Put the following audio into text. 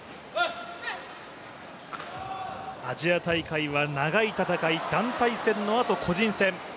アジア大会は長い戦い団体戦のあと、個人戦。